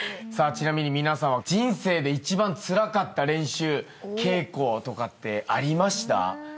ちなみに皆さんは人生で一番つらかった練習稽古とかってありました？